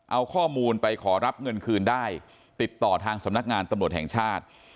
เอาข้อมูลไปขอรับเงินคืนได้ติดต่อทางสำนักงานตำรวจแห่งชาติ